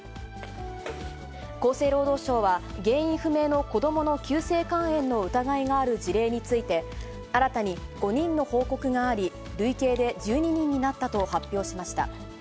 厚生労働省は、原因不明の子どもの急性肝炎の疑いがある事例について、新たに５人の報告があり、累計で１２人になったと発表しました。